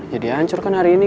jadi ancur kan hari ini